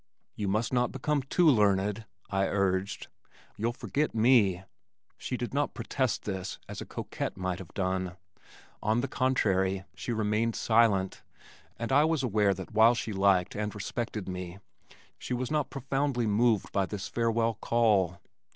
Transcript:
"You must not become too learned," I urged. "You'll forget me." She did not protest this as a coquette might have done. On the contrary, she remained silent, and I was aware that while she liked and respected me, she was not profoundly moved by this farewell call.